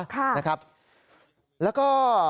ค่ะนะครับแล้วก็